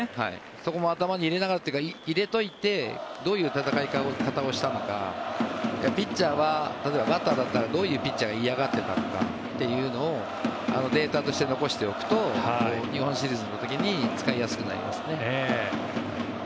そこも頭に入れながらというか入れておいてどういう戦い方をしたのかピッチャーは例えばバッターだったらどういうピッチャーを嫌がっていたのかとかをデータとして残しておくと日本シリーズの時に使いやすくなりますね。